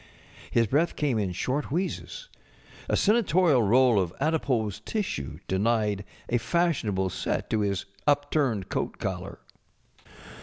His breath came in short wheezes; a senatorial roll of adipose tissue denied a fashionable set to his upturned coat collar.